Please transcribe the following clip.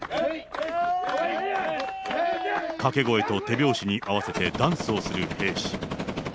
掛け声と手拍子に合わせてダンスをする兵士。